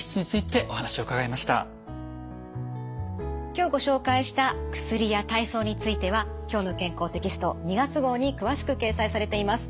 今日ご紹介した薬や体操については「きょうの健康」テキスト２月号に詳しく掲載されています。